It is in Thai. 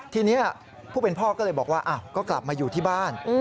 ทีนี้ผู้เป็นพ่อก็เลยบอกว่าก็กลับมาอยู่ที่บ้าน